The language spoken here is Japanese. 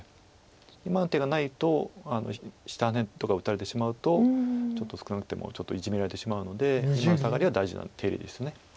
今の手がないと下ハネとか打たれてしまうとちょっとそこに打ってもイジメられてしまうので今のサガリは大事な手入れです。